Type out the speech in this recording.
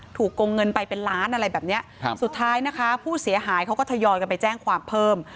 โกงเงินไปเป็นล้านอะไรแบบเนี้ยครับสุดท้ายนะคะผู้เสียหายเขาก็ทยอยกันไปแจ้งความเพิ่ม